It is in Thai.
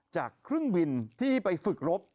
จากเครื่องบินที่ไปฝึกรบ